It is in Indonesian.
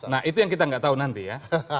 nah itu yang kita nggak tahu nanti ya